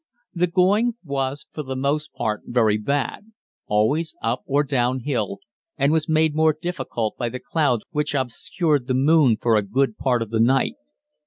The going was for the most part very bad, always up or down hill, and was made more difficult by the clouds which obscured the moon for a good part of the night.